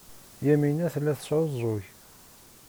Yamina tella tesɛuẓẓug.